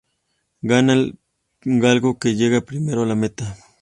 Gana el galgo que llega primero a la meta.